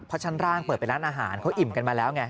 เพราะชั้นล่างเปิดเป็นร้านอาหารเขาอิ่มกันมาแล้วไง